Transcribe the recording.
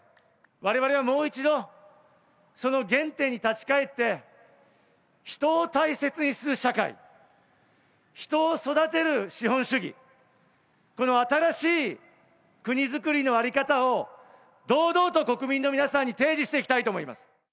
われわれはもう一度、その原点に立ち返って、人を大切にする社会、人を育てる資本主義、この新しい国づくりの在り方を、堂々と国民の皆さんに提示していきたいと思います。